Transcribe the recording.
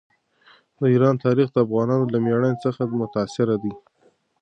د ایران تاریخ د افغانانو له مېړانې څخه متاثره دی.